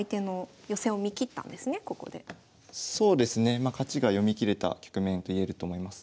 ま勝ちが読み切れた局面といえると思います。